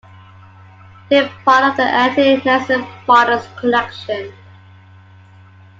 They are part of the Ante-Nicene Fathers collection.